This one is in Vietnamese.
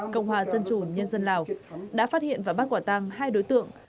cộng hòa dân chủ nhân dân lào đã phát hiện và bắt quả tăng hai đối tượng